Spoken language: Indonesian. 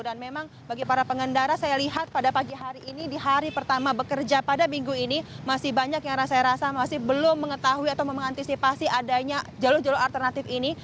dan memang bagi para pengendara saya lihat pada pagi hari ini di hari pertama bekerja pada minggu ini masih banyak yang saya rasa masih belum mengetahui atau mengantisipasi adanya jalur jalur alternatif ini